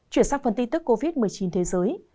chuyển sang phần tin tức covid một mươi chín thế giới